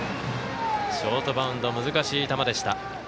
ショートバウンド難しい球でした。